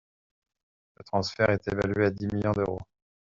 Le transfert est évalué à dix millions d'euros.